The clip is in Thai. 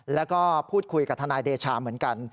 แล้วก็พูดคุยกับทนายเดชาเหมือนกัน